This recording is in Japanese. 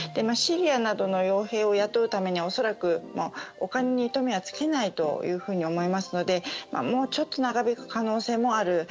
シリアなどの傭兵を雇うためには恐らく、お金に糸目はつけないというふうに思いますのでもうちょっと長引く可能性もある。